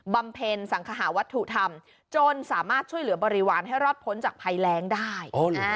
ำเพ็ญสังขหาวัตถุธรรมจนสามารถช่วยเหลือบริวารให้รอดพ้นจากภัยแรงได้